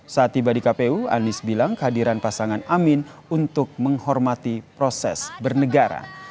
saat tiba di kpu anies bilang kehadiran pasangan amin untuk menghormati proses bernegara